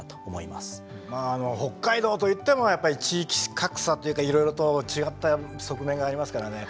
まああの北海道といってもやっぱり地域格差というかいろいろと違った側面がありますからね。